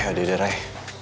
yaudah deh ray